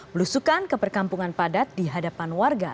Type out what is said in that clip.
belusukan ke perkampungan padat di hadapan warga